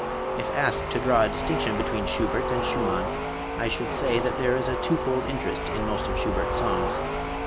If asked to draw a distinction between Schubert and Schumann, I should say that there is a twofold interest in most of Schubert's songs.